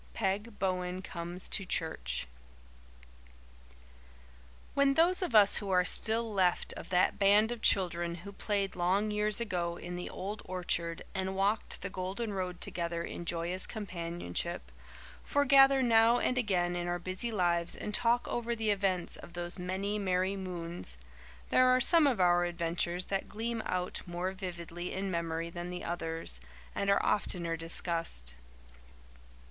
PEG BOWEN COMES TO CHURCH When those of us who are still left of that band of children who played long years ago in the old orchard and walked the golden road together in joyous companionship, foregather now and again in our busy lives and talk over the events of those many merry moons there are some of our adventures that gleam out more vividly in memory than the others, and are oftener discussed.